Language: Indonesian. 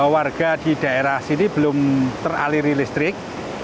warga di daerah sini belum teraliri listrik